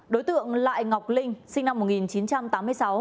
đối tượng lại ngọc linh sinh năm một nghìn chín trăm tám mươi sáu